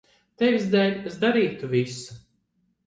Tevis dēļ es darītu visu.